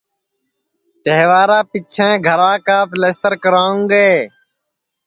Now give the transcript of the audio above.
تہوارا پیچھیں گھرا کا پیلستر کراوں گے